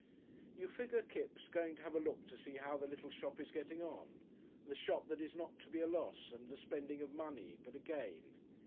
You figure Kipps "going to have a look to see how the little shop is getting on," the shop that is not to be a loss and a spending of money, but a gain.